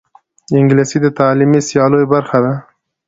انګلیسي د تعلیمي سیالیو برخه ده